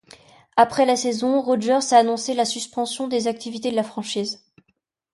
Après la saison, Rogers a annoncé la suspension des activités de la franchise.